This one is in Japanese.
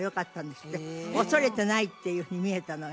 恐れてないっていうふうに見えたのが。